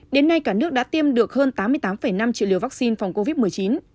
đến nay cả nước đã tiêm được hơn tám mươi tám năm triệu liều vaccine phòng covid một mươi chín